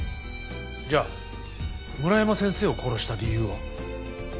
じゃあ村山先生を殺した理由は？